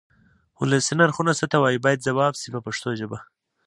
ولسي نرخونه څه ته وایي باید ځواب شي په پښتو ژبه.